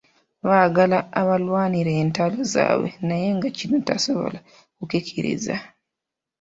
Baagala abalwanire entalo zaabwe naye nga kino tasobola kukikkiriza.